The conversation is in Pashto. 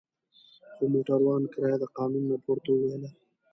خو موټروان کرایه د قانون نه پورته وویله.